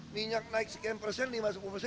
minyak naik sekian persen lima sepuluh persen